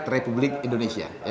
rakyat republik indonesia